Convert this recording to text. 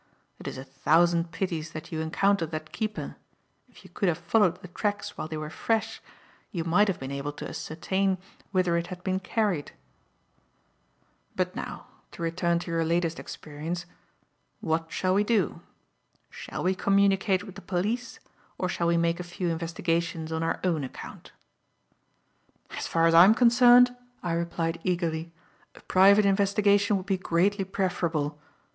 It is a thousand pities that you encountered that keeper, if you could have followed the tracks while they were fresh you might have been able to ascertain whither it had been carried. But now, to return to your latest experience, what shall we do? Shall we communicate with the police, or shall we make a few investigations on our own account?" "As far as I am concerned," I replied eagerly, "a private investigation would be greatly preferable.